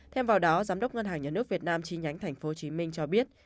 thêm vào đó giám đốc ngân hàng nhà nước việt nam chi nhánh tp hcm cho biết